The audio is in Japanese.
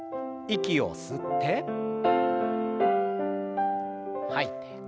息を吸って吐いて。